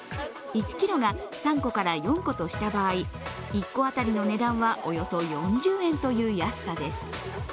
１ｋｇが３個から４個とした場合、１個当たりの値段はおよそ４０円という安さです。